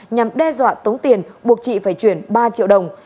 nhằm đe dọa tống tiền buộc chị phải chuyển ba triệu đồng